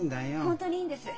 本当にいいんです。